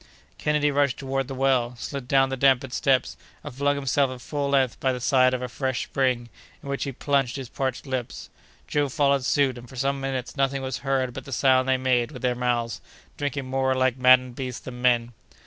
Kennedy rushed toward the well, slid down the dampened steps, and flung himself at full length by the side of a fresh spring, in which he plunged his parched lips. Joe followed suit, and for some minutes nothing was heard but the sound they made with their mouths, drinking more like maddened beasts than men.